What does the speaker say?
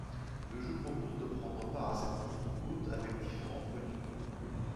Le jeu propose de prendre part à cette course de côte avec différentes voitures.